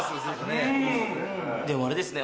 でもあれですね